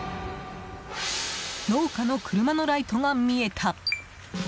農家の車のライトが見えた！